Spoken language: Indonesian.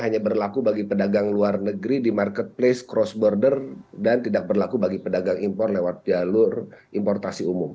hanya berlaku bagi pedagang luar negeri di marketplace cross border dan tidak berlaku bagi pedagang impor lewat jalur importasi umum